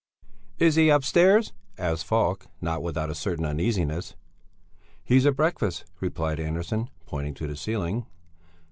"Is he upstairs?" asked Falk, not without a certain uneasiness. "He's at breakfast," replied Andersson, pointing to the ceiling.